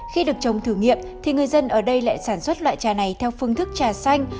khi được trồng thử nghiệm thì người dân ở đây lại sản xuất loại trà này theo phương thức trà xanh